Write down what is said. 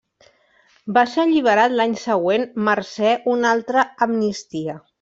Va ser alliberat l'any següent mercè una altra amnistia.